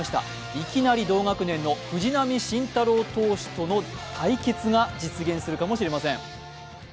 いきなり同学年の藤浪晋太郎投手との対決が実現するかもしれません。